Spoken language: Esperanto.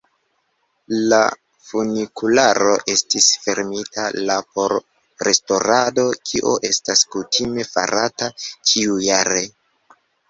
La funikularo estis fermita la por restaŭrado, kio estas kutime farata ĉiujare.